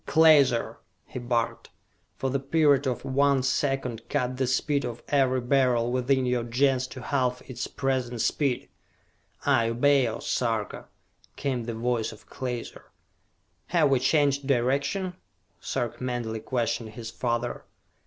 "Klaser," he barked, "for the period of one second cut the speed of every Beryl within your Gens to half its present speed!" "I obey, O Sarka!" came the voice of Klaser. "Have we changed direction?" Sarka mentally questioned his father.